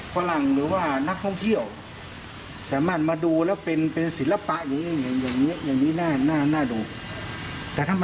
คุณผู้ชมอย่าเพิ่งงงนะ